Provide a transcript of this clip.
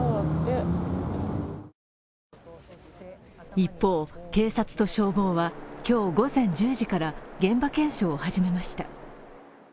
一方、警察と消防は今日午前１０時から現場検証を始めました。